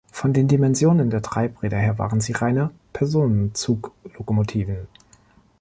Von den Dimensionen der Treibräder her waren sie reine Personenzuglokomotiven.